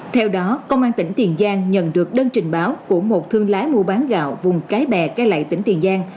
theo đó công an tỉnh tiền giang nhận được đơn trình báo của một thương lái mua bán gạo vùng cái bè cái lặy tỉnh tiền giang